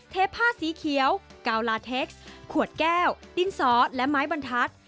ผ้าสีเขียวกาวลาเท็กซ์ขวดแก้วดินสอและไม้บรรทัศน์